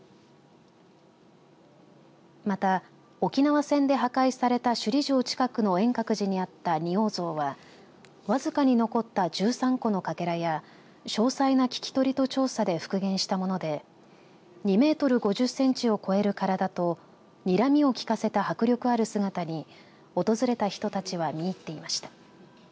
また、沖縄戦で破壊された首里城近くの円覚寺にあった仁王像は僅かに残った１３個のかけらや詳細な聞き取りと調査で復元したもので２メートル５０センチを超える体とにらみを利かせた迫力ある姿に訪れた人たちは見入っていました。